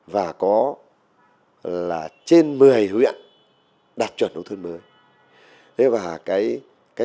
và có là trên một mươi huyện đạt chuẩn nông thôn mới